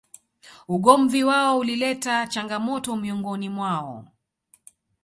Ugomvi wao ulileta changamoto miongoni mwao